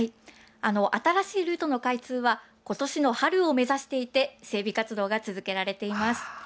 新しいルートの開通は今年の春を目指していて整備活動が続けられています。